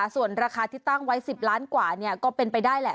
ส่วนราคาที่ตั้งไว้๑๐ล้านกว่าก็เป็นไปได้แหละ